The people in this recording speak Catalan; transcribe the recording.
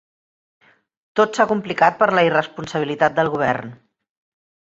Tot s'ha complicat per la irresponsabilitat del Govern.